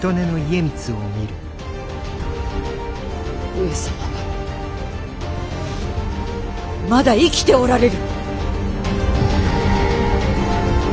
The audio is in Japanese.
上様はまだ生きておられる。